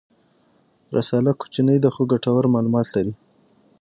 رساله کوچنۍ ده خو ګټور معلومات لري.